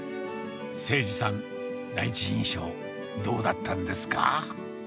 せいじさん、第一印象、どうだったんですか？